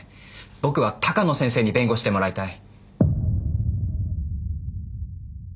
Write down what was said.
僕は鷹野先生に弁護してもらいたい。